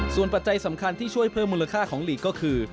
ส่วนปัจจัยสำคัญที่ช่วยเพิ่มมูลค่าของลีกก็คือ